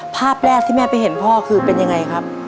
ภาพแรกที่แม่ไปเห็นพ่อคือเป็นยังไงครับ